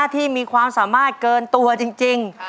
ที่มีความสามารถเกินตัวจริง